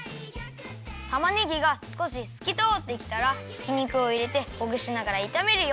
たまねぎがすこしすきとおってきたらひき肉をいれてほぐしながらいためるよ。